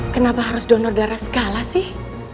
kenapa harus donor darah segala sih